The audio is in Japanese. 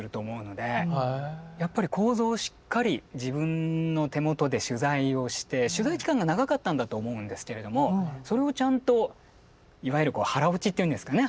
やっぱり構造をしっかり自分の手元で取材をして取材期間が長かったんだと思うんですけれどもそれをちゃんといわゆる腹落ちっていうんですかね。